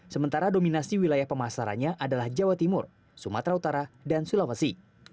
sementara dominasi wilayah pemasarannya adalah jawa timur sumatera utara dan sulawesi